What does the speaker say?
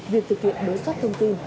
việc thực hiện đối xoát thông tin